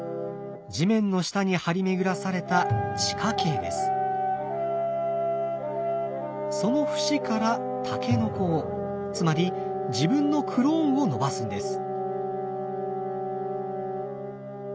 地面の下に張り巡らされたその節からタケノコをつまり自分のクローンを伸ばすんです。